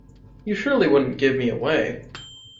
You surely wouldn't give me away?